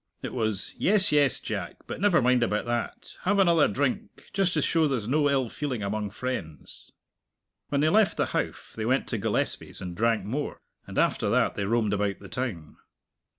It was, "Yes, yes, Jack; but never mind about that! Have another drink, just to show there's no ill feeling among friends." When they left the Howff they went to Gillespie's and drank more, and after that they roamed about the town.